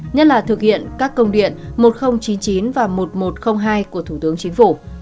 nhất là thực hiện các công điện một nghìn chín mươi chín và một nghìn một trăm linh hai của thủ tướng chính phủ